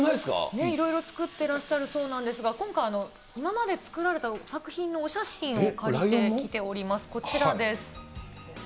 ねえ、いろいろ作ってらっしゃるそうなんですが、今回、今まで作られた作品のお写真を借りてきております。